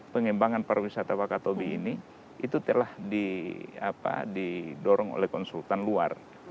pengembangan pariwisata wakatobi ini itu telah didorong oleh konsultan luar